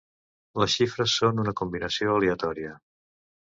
Les xifres són una combinació aleatòria.